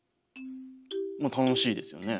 ま楽しいですよね。